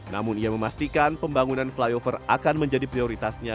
namun ia memastikan pembangunan flyover akan menjadi prioritasnya